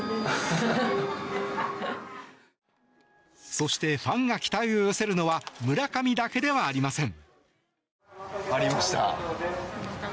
そしてファンが期待を寄せるのは村上だけではありません。